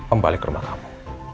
embalik ke rumah kamu